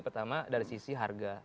pertama dari sisi harga